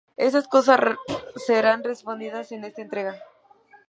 Esas cosas serán respondidas en esta entrega.